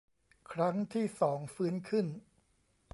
ครั้งที่สองฟื้นขึ้น